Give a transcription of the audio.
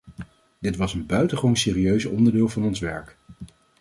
Dit was een buitengewoon serieus onderdeel van ons werk.